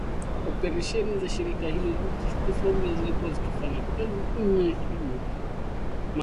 Operesheni za shirika hilo zimesitishwa kwa sababu zilikuwa zikifanya kazi kinyume cha sheria.